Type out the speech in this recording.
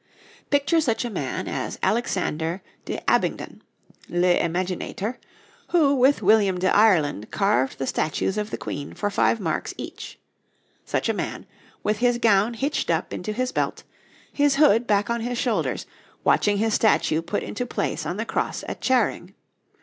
Picture such a man as Alexander de Abyngdon, 'le Imaginator,' who with William de Ireland carved the statues of the Queen for five marks each such a man, with his gown hitched up into his belt, his hood back on his shoulders, watching his statue put into place on the cross at Charing.